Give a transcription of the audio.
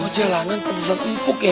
oh jalanan pernah disana empuk ya